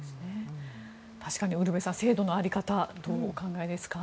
ウルヴェさん制度の在り方どうお考えですか。